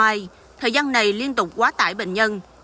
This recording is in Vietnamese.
trong thời gian này liên tục quá tải bệnh nhân